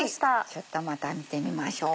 ちょっとまた見てみましょう。